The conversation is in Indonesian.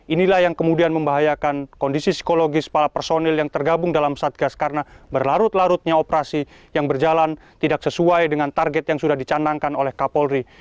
inilah yang kemudian membahayakan kondisi psikologis para personil yang tergabung dalam satgas karena berlarut larutnya operasi yang berjalan tidak sesuai dengan target yang sudah dicanangkan oleh kapolri